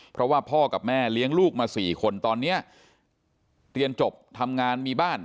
เพราะว่าพ่อกับแม่เลี้ยงลูกมา๔คนตอนนี้เรียนจบทำงานมีบ้าน